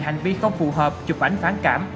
hành vi không phù hợp chụp ảnh phán cảm